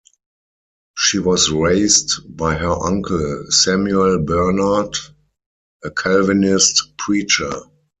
She was raised by her uncle Samuel Bernard, a Calvinist preacher.